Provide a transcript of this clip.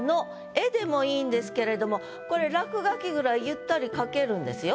「絵」でもいいんですけれどもこれ「落書き」ぐらいゆったり書けるんですよ。